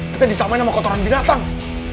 kita disamain sama kotoran binatang